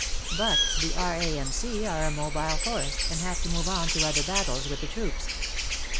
But the R.A.M.C. are a mobile force and have to move on to other battles with the troops.